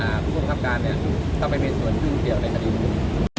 อ่าผู้ประทับการเนี่ยเข้าไปมีส่วนคลื่นเกี่ยวในคดีมือ